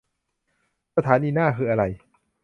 สถานีหน้าคืออะไร